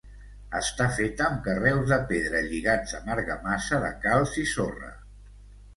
Està feta amb carreus de pedra lligats amb argamassa de calç i sorra.